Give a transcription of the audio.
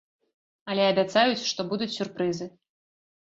Але абяцаюць, што будуць сюрпрызы!